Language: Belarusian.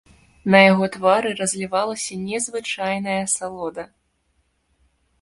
На яго твары разлівалася незвычайная асалода.